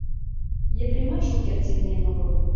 Епремат шукертсек миен огыл.